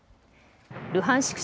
ルハンシク